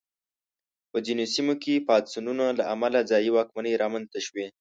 په ځینو سیمو کې پاڅونونو له امله ځايي واکمنۍ رامنځته شوې.